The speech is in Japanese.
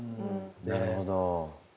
なるほど。